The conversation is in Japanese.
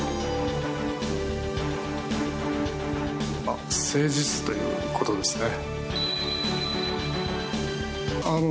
まあ、誠実ということですね。